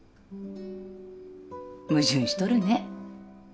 矛盾しとるね。